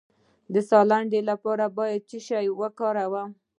د ساه لنډۍ لپاره باید څه شی وکاروم؟